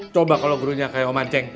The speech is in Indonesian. coba kalau gurunya kayak om anceng